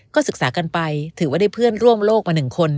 ศึกษากันไปถือว่าได้เพื่อนร่วมโลกมา๑คน